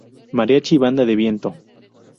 Mariachi y Banda de Viento.